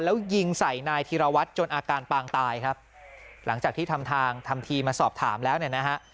แล้วยิงใส่นายธีรวัตรจนอาการปางตายครับหลังจากที่ทำทางทำทีมาสอบถามแล้วเนี่ยนะฮะ